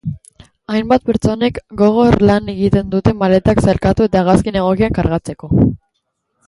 Hainbat pertsonek gogor lan egiten dute maletak sailkatu eta hegazkin egokian kargatzeko.